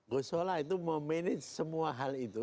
gusola itu memanage semua hal itu